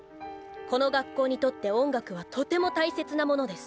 この学校にとって音楽はとても大切なものです。